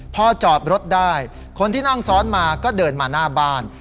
พอจอดรถได้คนที่นั่งซ้อนมาก็เดินมาหน้าบ้าน